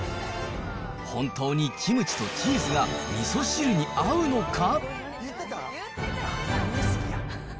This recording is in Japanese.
本当にキムチとチーズがみそ汁に合うのか？